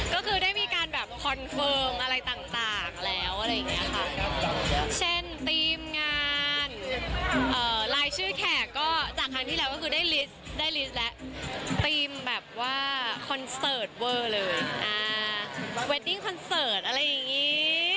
ก็คือได้มีการแบบคอนเฟิร์มอะไรต่างแล้วอะไรอย่างนี้ค่ะเช่นทีมงานรายชื่อแขกก็จากครั้งที่แล้วก็คือได้ลิสต์แล้วทีมแบบว่าคอนเสิร์ตเวอร์เลยเวดดิ้งคอนเสิร์ตอะไรอย่างนี้